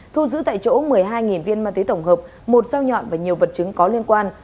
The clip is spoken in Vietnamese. thu giữ tại chỗ một mươi hai viên ma túy tổng hợp một dao nhọn và nhiều vật chứng có liên quan